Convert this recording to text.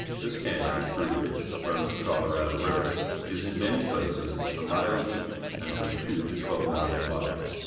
This canj'on, through which runs the Colorado River, is in many places a mile deep and from two to twelve miles wide.